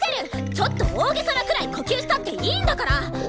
ちょっと大げさなくらい呼吸したっていいんだから！